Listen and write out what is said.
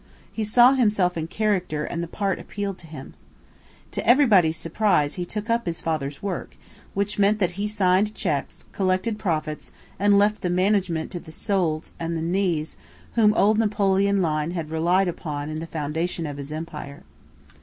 He saw himself in "character" and the part appealed to him. To everybody's surprise he took up his father's work, which meant that he signed cheques, collected profits and left the management to the Soults and the Neys whom old Napoleon Lyne had relied upon in the foundation of his empire.